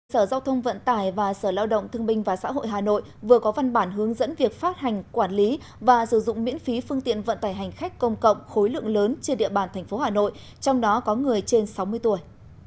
sở giao thông vận tải và sở lao động thương minh và xã hội hà nội vừa có văn bản hướng dẫn việc phát hành quản lý và sử dụng miễn phí phương tiện vận tải hành khách công cộng khối lượng lớn trên địa bàn tp hà nội trong đó có người trên sáu mươi tuổi